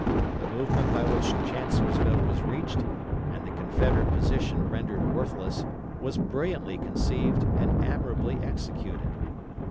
The movement by which Chancellorsville was reached, and the Confederate position rendered worthless, was brilliantly conceived and admirably executed.